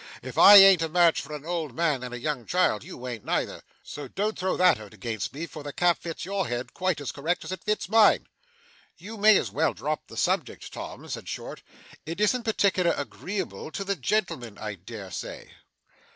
If I an't a match for an old man and a young child, you an't neither, so don't throw that out against me, for the cap fits your head quite as correct as it fits mine.' 'You may as well drop the subject, Tom,' said Short. 'It isn't particular agreeable to the gentleman, I dare say.